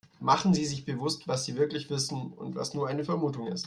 Machen Sie sich bewusst, was sie wirklich wissen und was nur eine Vermutung ist.